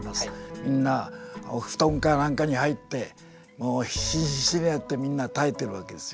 みんなお布団か何かに入ってもう必死に必死になってみんな耐えてるわけですよね。